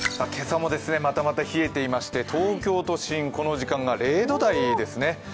今朝もまたまた冷えていまして東京都心、この時間が０度台ですね。